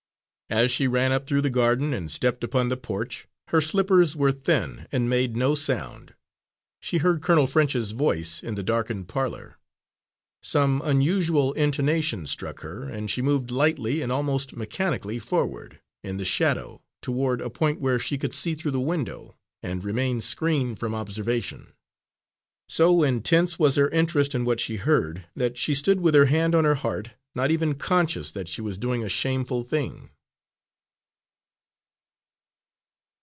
As she ran up through the garden and stepped upon the porch her slippers were thin and made no sound she heard Colonel French's voice in the darkened parlour. Some unusual intonation struck her, and she moved lightly and almost mechanically forward, in the shadow, toward a point where she could see through the window and remain screened from observation. So intense was her interest in what she heard, that she stood with her hand on her heart, not even conscious that she was doing a shameful thing.